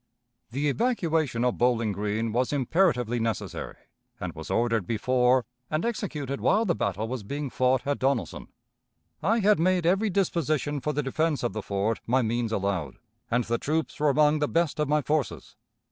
"The evacuation of Bowling Green was imperatively necessary, and was ordered before, and executed while the battle was being fought at Donelson. I had made every disposition for the defense of the fort my means allowed, and the troops were among the best of my forces.